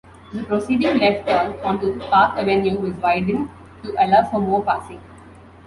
The proceeding left turn onto Park Avenue was widened to allow for more passing.